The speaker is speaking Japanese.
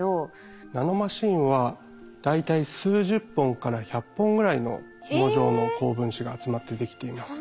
ナノマシンは大体数十本から百本ぐらいのひも状の高分子が集まってできています。